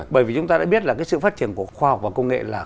bởi vì chúng ta đã biết là cái sự phát triển của khoa học và công nghệ là